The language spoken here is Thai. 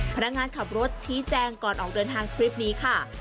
พนักงานขับรถชี้แจงก่อนออกเดินทางคลิปนี้ค่ะ